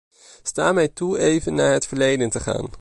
Sta mij toe even naar het verleden te gaan.